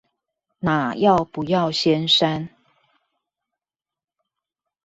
哪要不要先刪